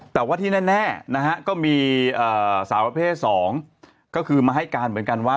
แต่ว่าที่แน่นะฮะก็มีสาวประเภท๒ก็คือมาให้การเหมือนกันว่า